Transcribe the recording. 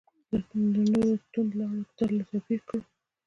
له نورو توندلارو ډلو توپیر کړو.